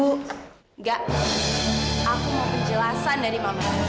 enggak aku mau penjelasan dari mama